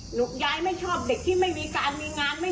หนูจะไปโรงเรียนทำไม